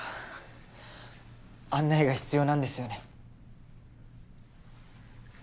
案内が必要なんですよね？